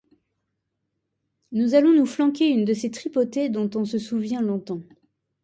Nous allons nous flanquer une de ces tripotées dont on se souvient longtemps.